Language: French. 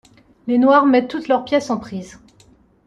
Les Noirs mettent toutes leurs pièces en prise.